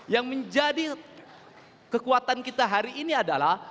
yang menjadi kekuatan kita hari ini adalah